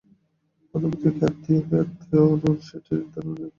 প্রধানমন্ত্রীর কে আত্মীয় কে আত্মীয় নন, সেটি নির্ধারণের এখতিয়ার একমাত্র তাঁরই।